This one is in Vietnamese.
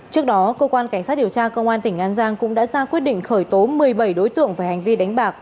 trước đó cơ quan cảnh sát điều tra công an tỉnh an giang cũng đã ra quyết định khởi tố một mươi bảy đối tượng về hành vi đánh bạc